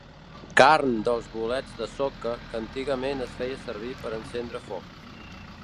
Carn dels bolets de soca que antigament es feia servir per encendre foc.